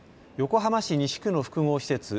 横浜市西区の複合施設